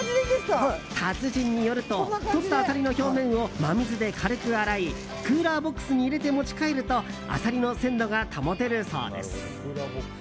達人によるととったアサリの表面を真水で軽く洗いクーラーボックスに入れて持ち帰るとアサリの鮮度が保てるそうです。